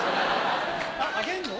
あげんの？